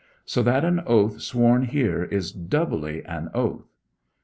So that an oath sworn here is doubly an oath.